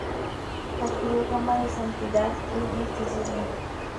Adquirió fama de santidad y misticismo.